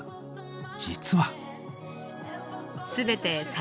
実は。